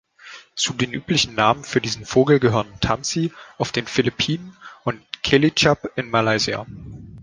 Zu den üblichen Namen für diesen Vogel gehören „tamsi“ auf den Philippinen und „kelicap“ in Malaysia.